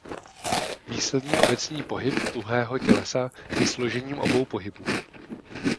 Výsledný obecný pohyb tuhého tělesa je složením obou pohybů.